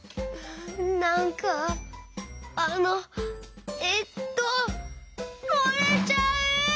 なんかあのえっともれちゃう！